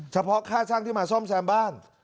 เฉพาะค่าช่างที่มาซ่อมแซมบ้าน